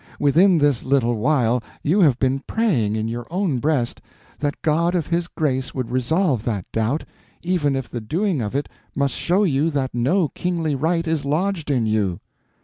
Within this little while you have been praying, in your own breast, that God of his grace would resolve that doubt, even if the doing of it must show you that no kingly right is lodged in you."